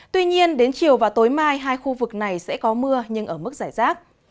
tuy nhiên đến chiều và tối mai hai khu vực này sẽ có mưa nhưng ở mức giải rác